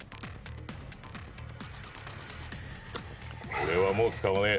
俺はもう使わねえ。